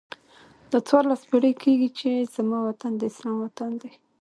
دا څوارلس پیړۍ کېږي چې زما وطن د اسلام وطن دی.